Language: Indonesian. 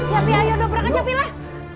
ya pi ayo dobrak aja pi lah